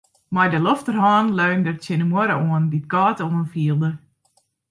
Mei de lofterhân leunde er tsjin de muorre oan, dy't kâld oanfielde.